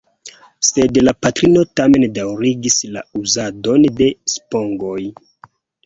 Sed la patrino tamen daŭrigis la uzadon de spongoj.